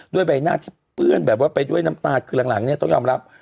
ใบหน้าที่เปื้อนแบบว่าไปด้วยน้ำตาคือหลังเนี่ยต้องยอมรับ